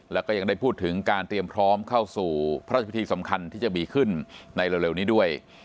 แล้วก็ยังได้พูดถึงการเตรียมพร้อมเข้าสู่พระราชพิธีสำคัญที่จะมีขึ้นในเร็วนี้ด้วย